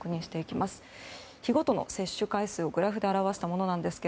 日ごとの接種回数をグラフで表したものです。